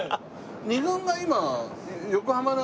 ２軍が今横浜の。